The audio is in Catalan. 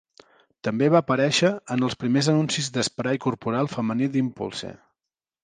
També va aparèixer en els primers anuncis d'esprai corporal femení d'Impulse.